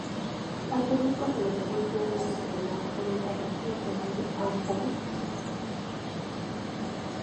Al público se le permitió verle cenar en el palacio real de Hampton Court.